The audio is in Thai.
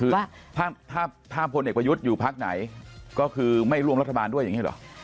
คือถ้าพลเอกประยุทธ์อยู่พักไหนก็คือไม่ร่วมรัฐบาลด้วยอย่างนี้หรอ